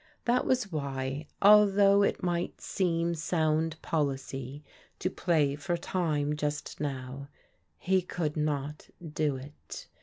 That was why, although it might seem sound policy to play for time just now, he could not do it.